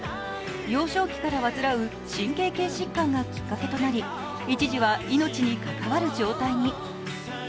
幼少期から患う神経系疾患がきっかけとなり一時は命に関わる状態に。